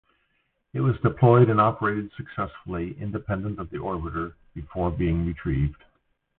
It was deployed and operated successfully, independent of the orbiter, before being retrieved.